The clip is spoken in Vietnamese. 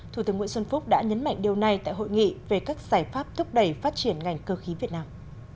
thủ tướng nguyễn xuân phúc đã nhấn mạnh điều này tại hội nghị về các giải pháp thúc đẩy phát triển ngành cơ khí việt nam